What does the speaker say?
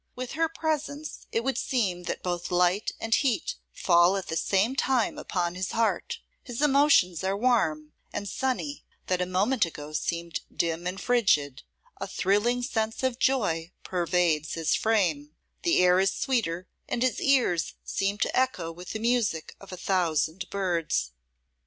With her presence it would seem that both light and heat fall at the same time upon his heart: his emotions are warm and sunny, that a moment ago seemed dim and frigid; a thrilling sense of joy pervades his frame; the air is sweeter, and his ears seem to echo with the music of a thousand birds.